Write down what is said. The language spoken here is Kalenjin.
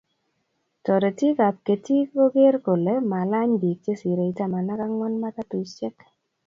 Toretiikab ketiik koger kole malany biik chesirei taman ak ang'wan matatusyek.